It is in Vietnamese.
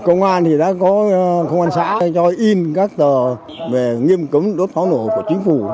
công an thì đã có công an xã cho in các tờ về nghiêm cấm đốt pháo nổ của chính phủ